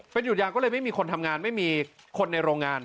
หยุดยาวก็เลยไม่มีคนทำงานไม่มีคนในโรงงาน